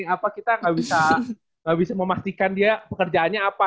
apa kita nggak bisa memastikan dia pekerjaannya apa